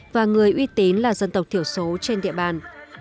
và người uy tín là dân tộc thiểu số trên địa bàn